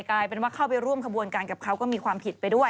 กลายเป็นว่าเข้าไปร่วมขบวนการกับเขาก็มีความผิดไปด้วย